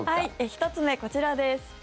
１つ目、こちらです。